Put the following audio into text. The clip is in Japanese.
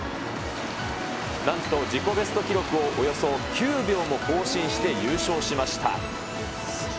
なんと自己ベスト記録をおよそ９秒も更新して優勝しました。